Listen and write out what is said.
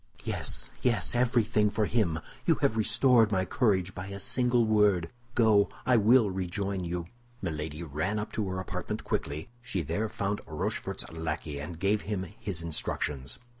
"Yes, yes, everything for him. You have restored my courage by a single word; go, I will rejoin you." Milady ran up to her apartment quickly; she there found Rochefort's lackey, and gave him his instructions.